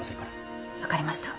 分かりました。